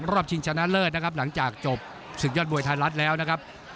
ชิงชนะเลิศนะครับหลังจากจบศึกยอดมวยไทยรัฐแล้วนะครับ